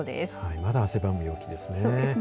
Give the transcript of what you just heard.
まだ汗ばむ陽気ですね。